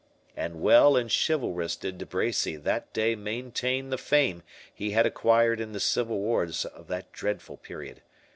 And well and chivalrous did De Bracy that day maintain the fame he had acquired in the civil wars of that dreadful period.